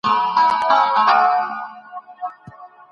باید حاکم قوانین کشف کړو.